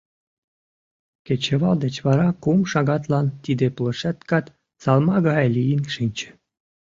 Кечывал деч вара кум шагатлан тиде плошадкат салма гае лийын шинче.